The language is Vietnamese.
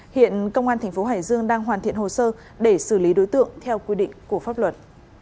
hiện công an tp hải dương đang hoàn thiện hồ sơ để xử lý đối tượng theo quy định của pháp luật